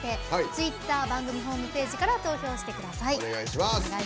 ツイッター番組ホームページから投票してください。